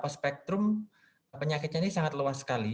spektrum penyakitnya ini sangat luas sekali